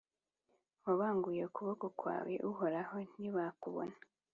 Wabanguye ukuboko kwawe, Uhoraho, ntibakubona,